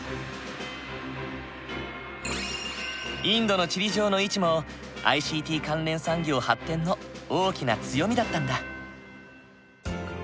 インドの地理上の位置もＩＣＴ関連産業発展の大きな強みだったんだ。